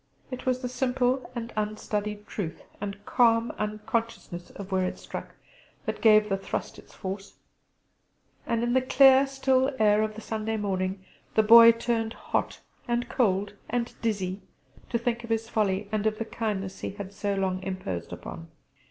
It was the simple and unstudied truth and calm unconsciousness of where it struck that gave the thrust its force; and in the clear still air of the Sunday morning the Boy turned hot and cold and dizzy to think of his folly, and of the kindness he had so long imposed upon.